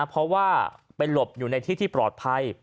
เพราะว่าไปหลบอยู่ในที่ที่ปลอดภัย